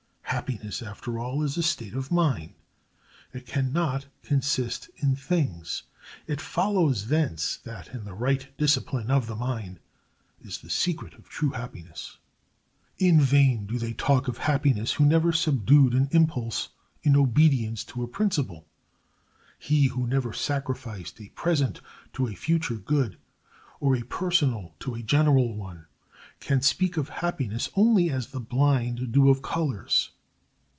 Happiness, after all, is a state of the mind. It can not consist in things. It follows thence that in the right discipline of the mind is the secret of true happiness. In vain do they talk of happiness who never subdued an impulse in obedience to a principle. He who never sacrificed a present to a future good, or a personal to a general one, can speak of happiness only as the blind do of colors.